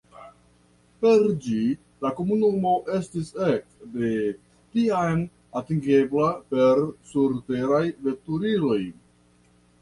Per ĝi la komunumo estis ek de tiam atingebla per surteraj veturiloj.